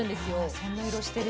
そんな色してる。